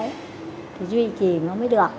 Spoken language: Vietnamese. thì duy trì nó mới được